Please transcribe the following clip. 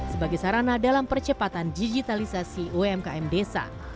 sebagai sarana dalam percepatan digitalisasi umkm desa